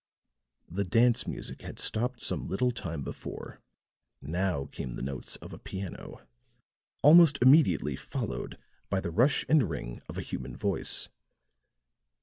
The dance music had stopped some little time before; now came the notes of a piano, almost immediately followed by the rush and ring of a human voice.